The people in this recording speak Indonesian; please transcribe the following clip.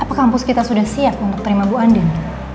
apa kampus kita sudah siap untuk terima bu andin